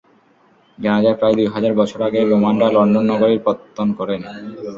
জানা যায়, প্রায় দুই হাজার বছর আগে রোমানরা লন্ডন নগরীর পত্তন করেন।